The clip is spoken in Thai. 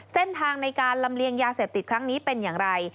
เส้นทางในการลำเลียงยาเสพติดครั้งนี้เป็นอย่างไร